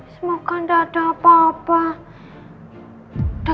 semoga tidak ada apa apa